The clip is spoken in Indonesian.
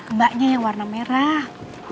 enggaknya yang warna merah